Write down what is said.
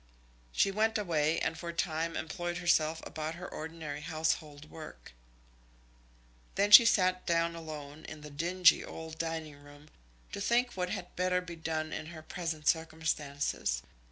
She went away, and for a time employed herself about her ordinary household work. Then she sat down alone in the dingy old dining room, to think what had better be done in her present circumstances.